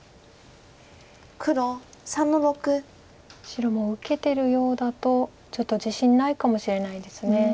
白も受けてるようだとちょっと自信ないかもしれないです。